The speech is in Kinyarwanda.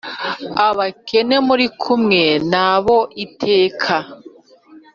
Abakene muri kumwe na bo iteka